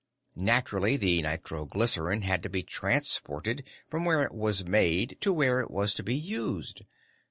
Naturally, the nitroglycerine had to be transported from where it was made to where it was to be used.